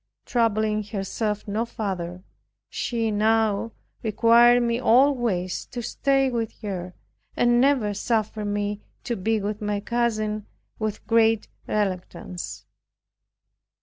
Troubling herself no further, now required me always to stay with her, and never suffered me to be with my cousin but with great reluctance.